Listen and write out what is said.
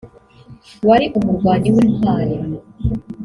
wari umurwanyi w’intwari